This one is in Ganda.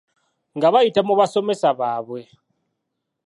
Nga bayita mu basomesa baabwe.